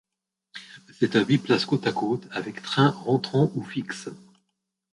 C'est un biplace côte à côte, avec trains rentrants ou fixes.